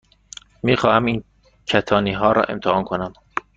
می خواهم این کتانی ها را امتحان کنم.